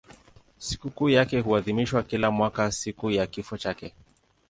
Sikukuu yake huadhimishwa kila mwaka siku ya kifo chake.